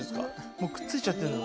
もうくっついちゃってんの？